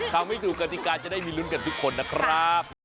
ทำให้ถูกกติกาจะได้มีลุ้นกันทุกคนนะครับ